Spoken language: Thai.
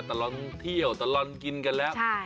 ตลอดเที่ยวตลอดกินกันแล้ว